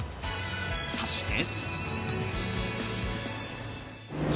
そして。